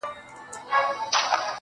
په خبرو کي خبري پيدا کيږي.